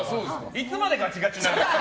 いつまでガチガチなんですか！